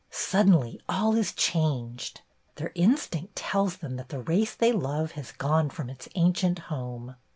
Suddenly all is changed ! Their instinct tells them that the race they love has gone from its ancient home.